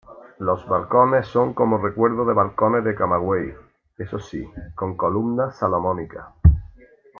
Los balcones son como recuerdo de balcones de Camagüey, eso sí, con columnas salomónicas.